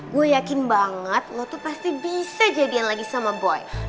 gue yakin banget lo tuh pasti bisa jadian lagi sama boy